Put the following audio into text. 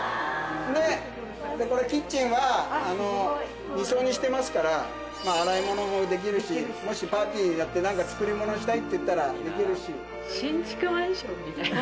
でこれキッチンは２槽にしてますから洗い物もできるしもしパーティーやって何か作り物したいっていったらできるし。